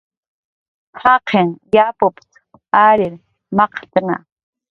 "Jaqin yapup"" t""arir maq""tna"